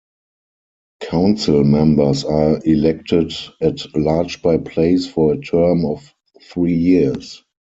Council members are elected at-large-by-place for a term of three years.